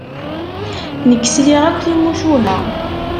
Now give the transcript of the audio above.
Nekk sliɣ akk timucuha.